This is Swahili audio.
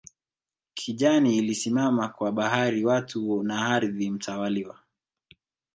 Kijani ilisimama kwa bahari watu na ardhi mtawaliwa